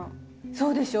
そうでしょ。